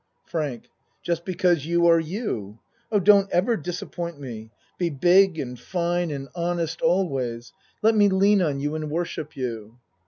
FRANK Just because you are you. Oh, don't ever disappoint me. Be big and fine and honest al ACT III 83 ways let me lean on you and worship you.